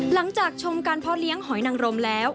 หลังจากชมการพ่อเลี้ยงหอยนังรมแล้ว